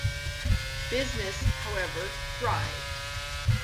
Business, however, thrived.